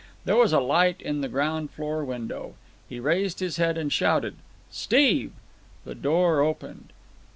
There was a light in the ground floor window. He raised his head and shouted: "Steve!" The door opened.